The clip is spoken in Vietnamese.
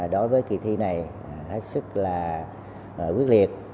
đối với kỳ thi này rất là quyết liệt